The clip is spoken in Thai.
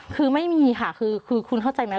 คือไม่มีค่ะคือคุณเข้าใจไหม